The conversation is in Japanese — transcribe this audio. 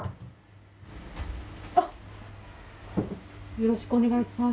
よろしくお願いします。